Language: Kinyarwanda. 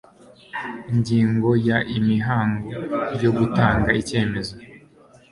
ingingo ya imihango yo gutanga icyemezo